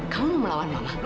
kamu mau melawan mama